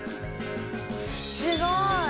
すごい。